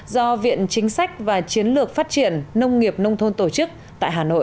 do viện chính sách và chiến lược phát triển nông nghiệp nông thôn tổ chức tại hà nội